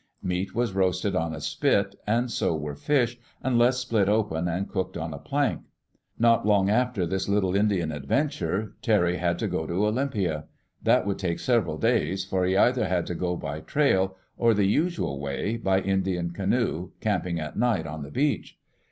Meat was roasted on a spit, and so were fish, unless split open and cooked on a plank. Not long after this little Indian adventure, Terry had to go to Olympia. That would take several days, for he either had to go by trail, or the usual way, by Indian canoe, camping at night on the beach.